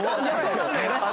そうなんだけどね。